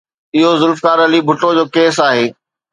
اهو ذوالفقار علي ڀٽو جو ڪيس آهي.